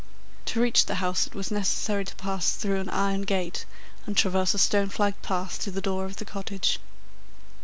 To reach the house it was necessary to pass through an iron gate and traverse a stone flagged path to the door of the cottage.